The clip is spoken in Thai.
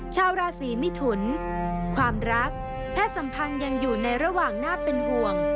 ชาวราศีมิถุนความรักเพศสัมพันธ์ยังอยู่ในระหว่างน่าเป็นห่วง